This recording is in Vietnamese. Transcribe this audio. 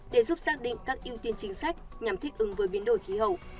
để giúp xác định các ưu tiên chính sách nhằm thích ứng với biến đổi khí hậu